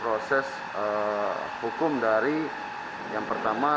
proses hukum dari yang pertama